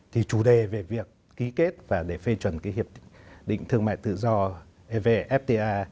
thì chủ đề về việc ký kết và phê chuẩn hiệp định thương mại tự do về fta